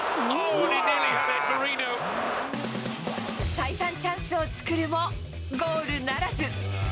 再三チャンスを作るも、ゴールならず。